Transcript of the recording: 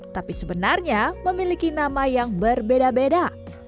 tapi sebenarnya memiliki nama yang berbeda beda